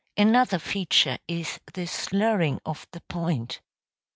Another feature is the slurring of the point.